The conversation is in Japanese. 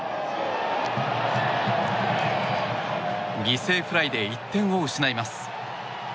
犠牲フライで１点を失います。